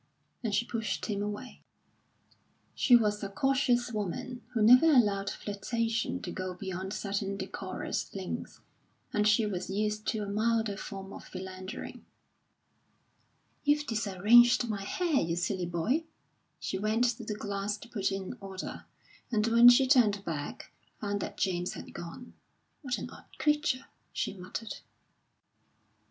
And she pushed him away. She was a cautious woman, who never allowed flirtation to go beyond certain decorous lengths, and she was used to a milder form of philandering. "You've disarranged my hair, you silly boy!" She went to the glass to put it in order, and when she turned back found that James had gone. "What an odd creature!" she muttered.